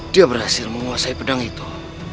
dia berhasil menguasai pedang itu